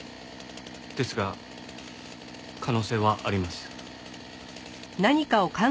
ですが可能性はあります。